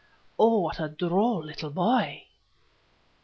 Oh, what a droll little boy!"